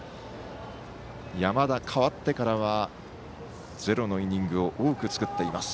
山田、代わってからはゼロのイニングを多く作っています。